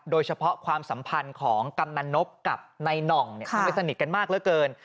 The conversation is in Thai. โดยเฉพาะความสัมพันธ์ของกำนับกับในน่องค่ะไม่สนิทกันมากแล้วเกิน